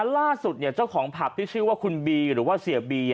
ล่าสุดเจ้าของผับที่ชื่อว่าคุณบีหรือว่าเสียบี